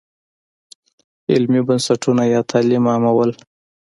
علمي بنسټونه یا تعلیم عامول.